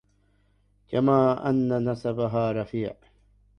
كما أن نسبها رفيع